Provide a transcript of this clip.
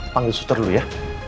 panggil sutra dulu ya